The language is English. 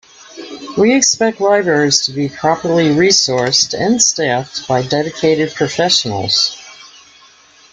We expect libraries to be properly resourced and staffed by dedicated professionals.